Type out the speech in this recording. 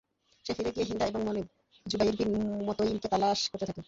সে ফিরে গিয়ে হিন্দা এবং মনিব জুবাইর বিন মুতঈমকে তালাশ করতে থাকে।